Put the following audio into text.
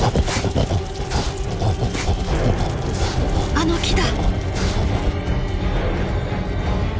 「あの木だ！」。